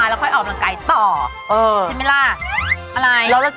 แล้วก็กลับมาแล้วออกต่อ